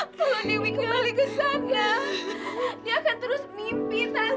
kalau dewi kembali ke sana dia akan terus mimpi saya